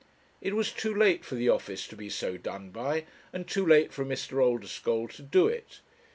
It was too late for the office to be so done by, and too late for Mr. Oldeschole to do it.